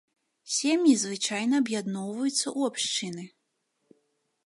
Сем'і звычайна аб'ядноўваюцца ў абшчыны.